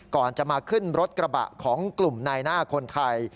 ก่อนจะมาขึ้นรถกระบะของกลุ่มนายหน้าคนไทย